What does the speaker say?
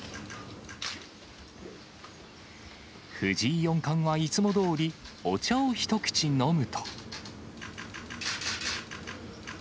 藤井四冠は、いつもどおり、お茶を一口飲むと。